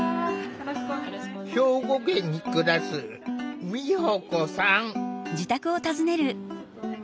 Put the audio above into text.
兵庫県に暮らす美保子さん。